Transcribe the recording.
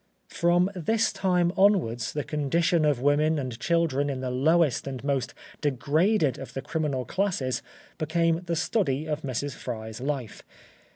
From this time onwards the condition of women and children in the lowest and most degraded of the criminal classes became the study of Mrs. Fry's life.